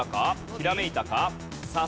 ひらめいたか？